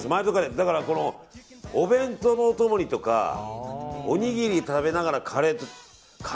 だから、お弁当のお供にとかおにぎり食べながらカレーとか。